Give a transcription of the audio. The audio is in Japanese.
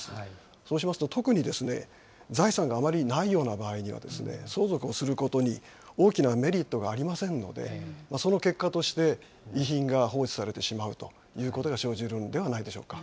そうしますと、特に財産があまりないような場合には、相続をすることに大きなメリットがありませんので、その結果として、遺品が放置されてしまうということが生じるんではないでしょうか。